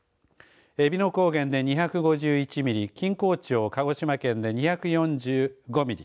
えびの高原で２５１ミリ錦江町、鹿児島県で２４５ミリ